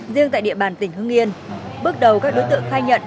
riêng tại địa bàn tỉnh hương yên bước đầu các đối tượng khai nhận